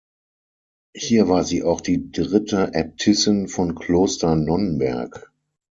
Hier war sie auch die dritte Äbtissin von Kloster Nonnberg.